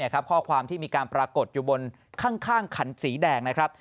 ข้อความที่มีการปรากฏอยู่บนข้างขันสีแดงนะครับ